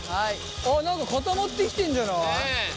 何か固まってきてんじゃない？